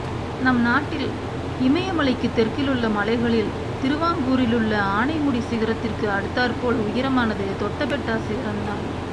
நம் நாட்டில் இமயமலைக்குத் தெற்கிலுள்ள மலைகளில், திருவாங்கூரிலுள்ள ஆனை முடி சிகரத்திற்கு அடுத்தாற்போல் உயரமானது தொட்டபெட்டா சிகரம்தான்.